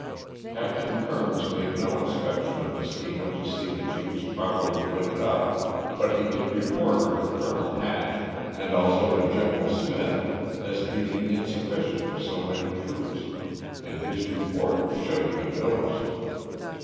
Captain Kernes made no inspection of the steamer to see that she was properly fitted up, but he did report her to Colonel Hatch, and also to Gen eral Smith, as being insufficient for so many troops, and his rep )rt should have been noticed.